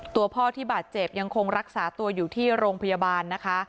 ตัวพ่อที่บาดเจ็บยังคงรักษาตัวอยู่ที่โรงพยาบาลนะคะ